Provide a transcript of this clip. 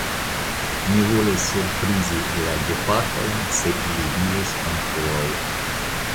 Mi volis surprizi la gepatrojn, se ili vivus ankoraŭ.